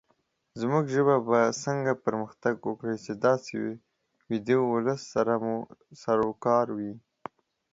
زمونږ ژبه به څنګه پرمختګ وکړې، چې داسې ويده ولس سره مو سروکار وي